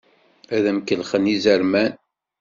Ad d-am-kellxen yizerman.